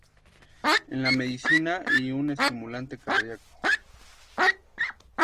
En la medicina y un estimulante cardíaco.